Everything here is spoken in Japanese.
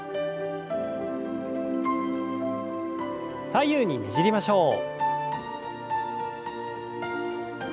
左右にねじりましょう。